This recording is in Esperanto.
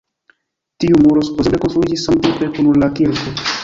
Tiu muro supozeble konstruiĝis samtempe kun la kirko.